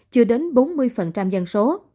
chừa đến bốn mươi dân số